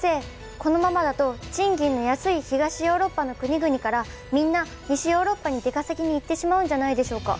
このままだと賃金の安い東ヨーロッパの国々からみんな西ヨーロッパに出稼ぎに行ってしまうんじゃないでしょうか？